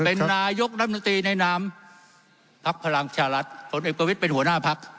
เป็นนายกรัฐมนตรีในนามพักพลังชารัฐผลเอกประวิทย์เป็นหัวหน้าพัก